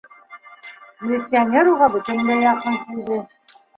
Милиционер уға бөтөнләй яҡын килде.